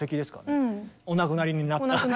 お亡くなりになった。